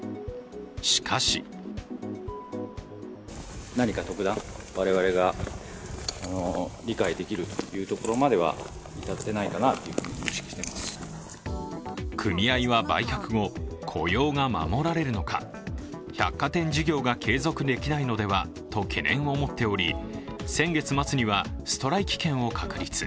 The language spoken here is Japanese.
しかし組合は売却後、雇用が守られるのか、百貨店事業が継続できないのではと懸念を持っており、先月末には、ストライキ権を確立。